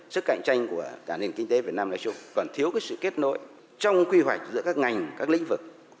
sức cạnh tranh của cả nền kinh tế việt nam nói chung còn thiếu sự kết nối trong quy hoạch giữa các ngành các lĩnh vực